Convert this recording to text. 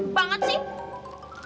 uh deg banget sih